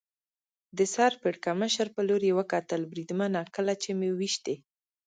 د سر پړکمشر په لور یې وکتل، بریدمنه، کله چې مې وېشتی.